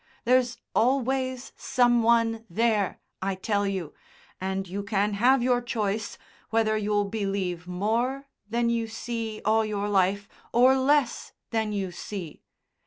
There's always some one there, I tell you, and you can have your choice, whether you'll believe more than you see all your life or less than you see.